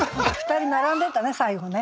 ２人並んでたね最後ね。